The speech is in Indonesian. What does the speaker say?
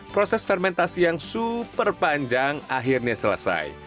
proses fermentasi yang super panjang akhirnya selesai